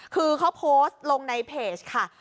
คือเขาโพสต์ลงในเพจค่ะ